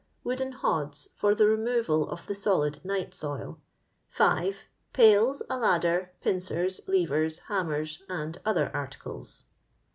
Wooden hods for the removal of the solid night soil. 5. Pails, a ladder, pincers, levers, ham mers, and other articles."